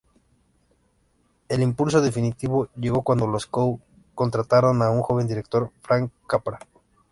El impulso definitivo llegó cuando los Cohn contrataron a un joven director Frank Capra.